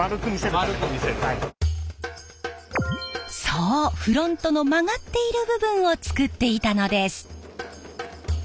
そうフロントの曲がっている部分を作っていたのです！